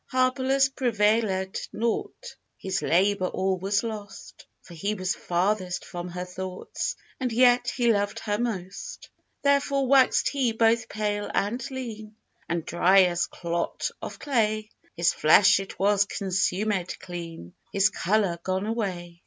Harpalus prevailèd nought; His labour all was lost; For he was farthest from her thoughts, And yet he loved her most. Therefore waxed he both pale and lean, And dry as clot of clay; His flesh it was consumèd clean, His colour gone away....